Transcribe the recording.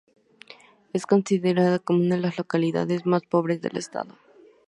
Es considerada como una de las localidades más pobres del estado.